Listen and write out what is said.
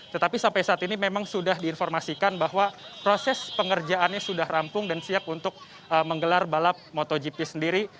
tetapi sampai saat ini memang sudah diinformasikan bahwa proses pengerjaannya sudah rampung dan siap untuk menggelar balap motogp sendiri